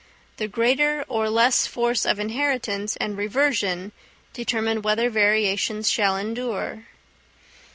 The greater or less force of inheritance and reversion determine whether variations shall endure.